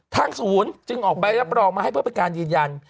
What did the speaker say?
ทางศูนย์จึงออกไปแล้วประวัติมาให้เพื่อเป็นการยืนยัน